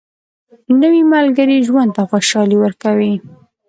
نوې ملګرې ژوند ته خوشالي ورکوي